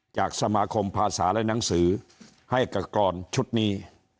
จากสมาคมภาษาและหนังสือให้กับกรชุดนี้